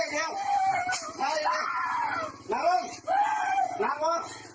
นั่งลงมา